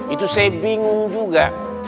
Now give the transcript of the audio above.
itu saya bingung juga